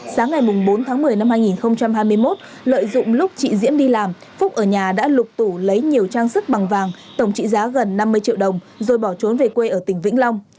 sáng ngày bốn tháng một mươi năm hai nghìn hai mươi một lợi dụng lúc chị diễm đi làm phúc ở nhà đã lục tủ lấy nhiều trang sức bằng vàng tổng trị giá gần năm mươi triệu đồng rồi bỏ trốn về quê ở tỉnh vĩnh long